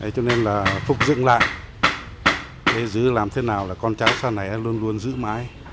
cho nên là phục dựng lại để giữ làm thế nào là con cháu sau này luôn luôn giữ mãi